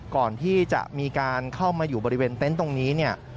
ก่อนที่จะมีการเข้ามาอยู่บริเวณเต็นต์ตรงนี้เนี่ย